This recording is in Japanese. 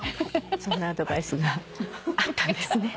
そんなアドバイスがあったんですね。